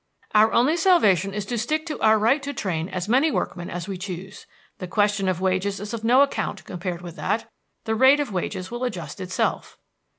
"Our only salvation is to stick to our right to train as many workmen as we choose. The question of wages is of no account compared with that; the rate of wages will adjust itself."